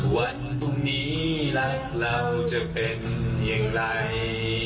วันพรุ่งนี้รักเราจะเป็นอย่างไร